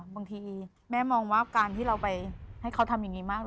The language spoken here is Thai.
บางทีแม่มองว่าการที่เราไปให้เขาทำอย่างนี้มาก